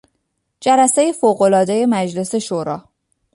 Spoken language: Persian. جلسهی فوق العادهی مجلس شورا